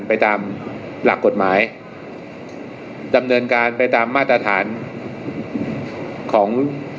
ไปตามหลักกฎหมายดำเนินการไปตามมาตรฐานของ